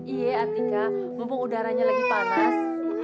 iya artika mumpung udaranya lagi panas